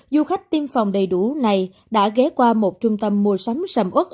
du khách tiêm phòng đầy đủ này đã ghé qua một trung tâm mùa sắm sầm ướt